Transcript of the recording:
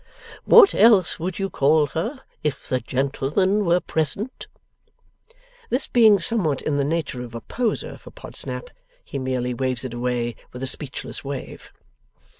What else would you call her, if the gentleman were present?' This being something in the nature of a poser for Podsnap, he merely waves it away with a speechless wave.